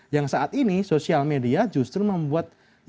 yang saat ini sosial media justru membuat